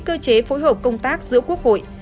cơ chế phối hợp công tác giữa quốc hội